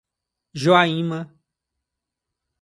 Joaíma